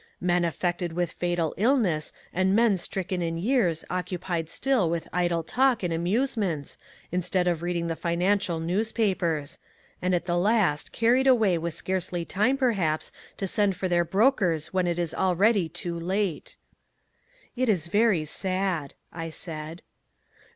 "Men affected with fatal illness and men stricken in years occupied still with idle talk and amusements instead of reading the financial newspapers, and at the last carried away with scarcely time perhaps to send for their brokers when it is already too late." "It is very sad," I said.